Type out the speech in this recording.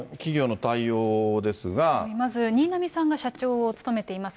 まず、新浪さんが社長を務めています